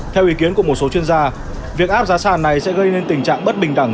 theo ý kiến của một số chuyên gia việc áp giá sàn này sẽ gây nên tình trạng bất bình đẳng